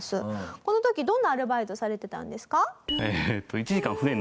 この時どんなアルバイトされてたんですか？